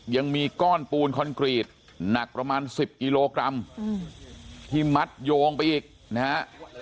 ยังมีก้อนปูนคอนกรีตหนักประมาณ๑๐กิโลกรัมที่มัดโยงไปอีกนะฮะ